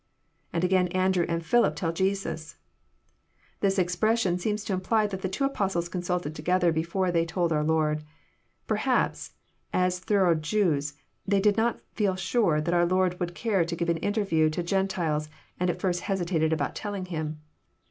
lAnd again Andrew and Philip tell Jesus,] This expression seems to imply that the two Apostles consulted together before they told our Lord. Perhaps, as thorough Jews, ^ey did not feel sure that our Lord would care to give an interview to Gen tiles, and at first hesitated about telling Him.